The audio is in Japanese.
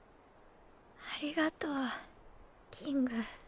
ありがとうキング。